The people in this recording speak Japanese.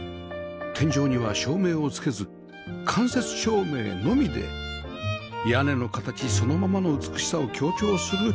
天井には照明を付けず間接照明のみで屋根の形そのままの美しさを強調するデザインにしました